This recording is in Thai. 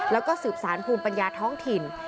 แล้วก็สืบสารภูมิปัญญาท้องถิ่น